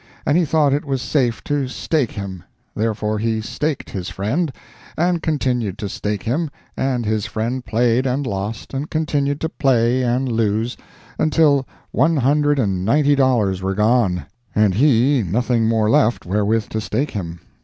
and he thought it was safe to "stake" him; therefore he staked his friend, and continued to stake him, and his friend played and lost, and continued to play and lose, until one hundred and ninety dollars were gone, and he nothing more left wherewith to stake him.